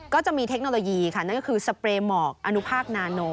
ก็จะมีเทคโนโลยีค่ะก็คือสเปรย์หมอกอนุภาคนาโน